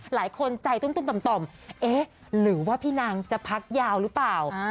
หลายคนใจตุ้มต่อมเอ๊ะหรือว่าพี่นางจะพักยาวหรือเปล่า